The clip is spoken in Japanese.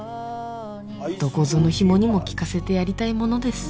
どこぞのヒモにも聞かせてやりたいものです